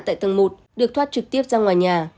tại tầng một được thoát trực tiếp ra ngoài nhà